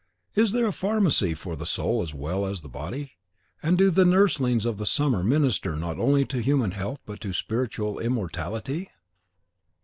Is there a pharmacy for the soul as well as the body, and do the nurslings of the summer minister not only to human health but spiritual immortality?"